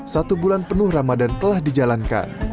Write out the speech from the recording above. satu bulan penuh ramadan telah dijalankan